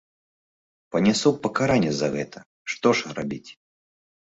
Панясу пакаранне за гэта, што ж рабіць.